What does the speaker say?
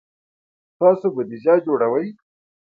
تاسو بودیجه جوړوئ؟